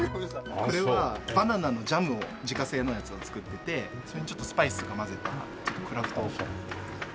これはバナナのジャムを自家製のやつを作っててそれにちょっとスパイスとか混ぜたクラフトスカッシュ。